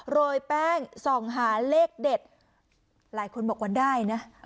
โรยแป้งส่องหาเลขเด็ดหลายคนบอกว่าได้นะ